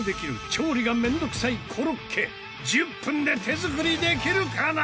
調理が面倒くさいコロッケ１０分で手作りできるかな？